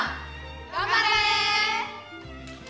頑張れ！